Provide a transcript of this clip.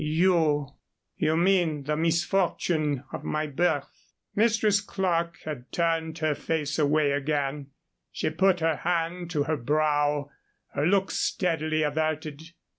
"You you mean the misfortune of my birth?" Mistress Clerke had turned her face away again; she put her hand to her brow, her look steadily averted.